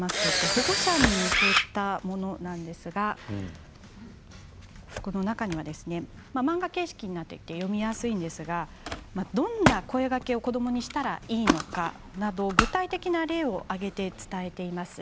保護者に向けたものなんですがこの中には漫画形式になっていて読みやすいんですがどんな声かけを子どもにしたらいいのかなど具体的な例を挙げて伝えています。